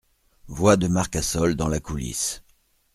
Voix de Marcassol dans la coulisse.